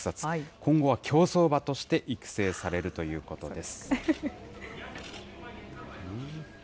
今後は競走馬として育成されるということです。